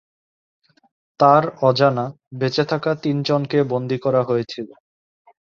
তাঁর অজানা, বেঁচে থাকা তিনজনকে বন্দী করা হয়েছিল।